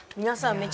皆さん